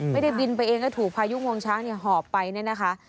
บินไปเองก็ถูกพายุงวงช้างหอบไปเนี่ยนะคะ